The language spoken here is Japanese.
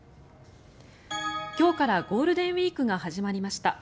今日からゴールデンウィークが始まりました。